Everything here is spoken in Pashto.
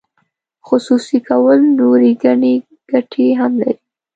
خصوصي کول نورې ګڼې ګټې هم لري.